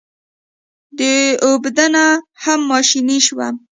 د اوبدنه هم ماشیني شوه.